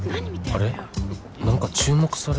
あれ？